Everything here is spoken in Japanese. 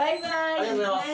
ありがとうございます。